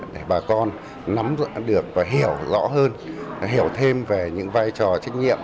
để bà con nắm rõ được và hiểu rõ hơn hiểu thêm về những vai trò trách nhiệm